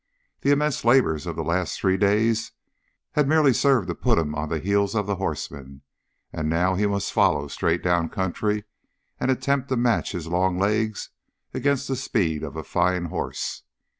The immense labors of the last three days had merely served to put him on the heels of the horseman, and now he must follow straight down country and attempt to match his long legs against the speed of a fine horse.